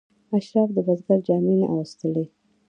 اشراف د بزګر جامې نه اغوستلې.